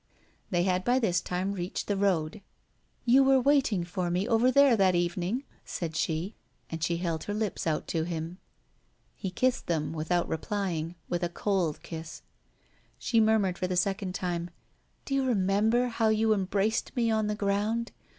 They had by this time reached the road. "You were waiting for me over there that evening," said she. And she held her lips out to him. He kissed them, without replying, with a cold kiss. She murmured for the second time: "Do you remember how you embraced me on the ground.